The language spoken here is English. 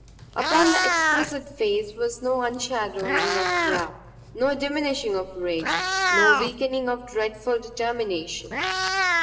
Upon the exquisite face was no unshadowing of wrath, no diminishing of rage, no weakening of dreadful determination.